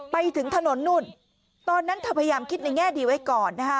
ไปถึงถนนนู่นตอนนั้นเธอพยายามคิดในแง่ดีไว้ก่อนนะคะ